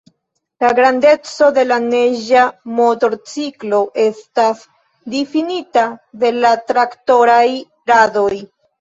La grandeco de la neĝa motorciklo estas difinita de la traktoraj radoj.